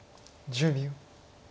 １０秒。